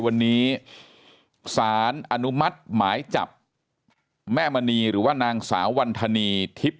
วันนี้สารอนุมัติหมายจับแม่มณีหรือว่านางสาววันธนีทิพย์